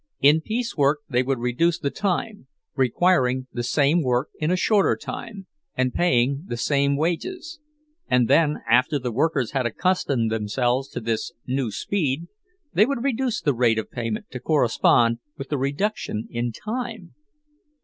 In piecework they would reduce the time, requiring the same work in a shorter time, and paying the same wages; and then, after the workers had accustomed themselves to this new speed, they would reduce the rate of payment to correspond with the reduction in time!